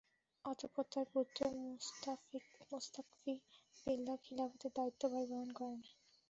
অতঃপর তার পুত্র মুসতাকফী বিল্লাহ খিলাফতের দায়িত্বভার গ্রহণ করেন।